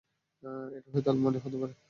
এটা হয়ত আলমারিও হতে পারে।